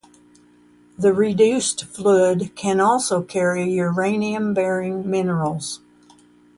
The reduced fluid can also carry uranium-bearing minerals.